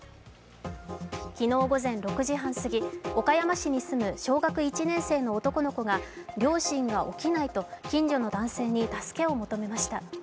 昨日午前６時半すぎ、岡山市に住む小学１年生の男の子が両親が起きないと近所の男性に助けを求めました。